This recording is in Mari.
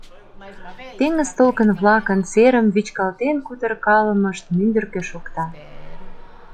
Теҥыз толкын-влакын серым вӱчкалтен кутыркалымышт мӱндыркӧ шокта.